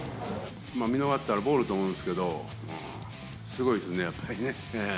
見逃したらボールと思うんですけど、すごいですね、やっぱりね。